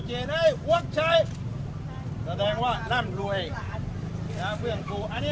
เจนห๊วงชายแสดงว่านำรวยพี่ยังกุ๊อันนี้